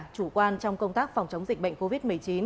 chủ quan trong công tác phòng chống dịch bệnh covid một mươi chín